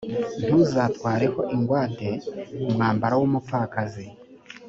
ntuzatwareho ingwate umwambaro w’umupfakazi.